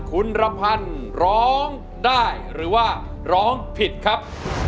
คุณระพันธ์ร้องได้หรือว่าร้องผิดครับ